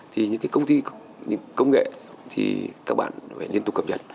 thì những cái công ty công nghệ thì các bạn phải liên tục cập nhật